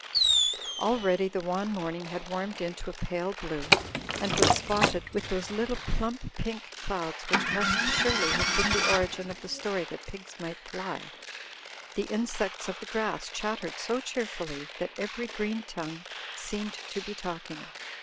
Already the wan morning had warmed into a pale blue and was spotted with those little plump pink clouds which must surely have been the origin of the story that pigs might fly. The insects of the grass chattered so cheerfully that every green tongue seemed to be talking.